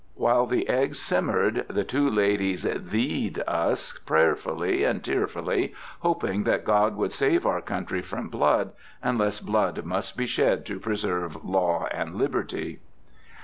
While the eggs simmered, the two ladies thee ed us prayerfully and tearfully, hoping that God would save our country from blood, unless blood must be shed to preserve Law and Liberty.